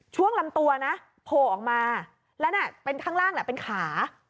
ช่วงลำตัวโผล่ออกมาแล้วข้างล่างเป็นขา